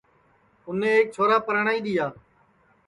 اُنے ایک چھورا پرنائی دؔیا ہے